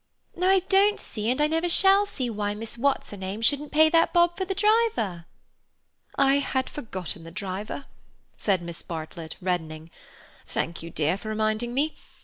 No, I don't see and I never shall see why Miss What's her name shouldn't pay that bob for the driver." "I had forgotten the driver," said Miss Bartlett, reddening. "Thank you, dear, for reminding me.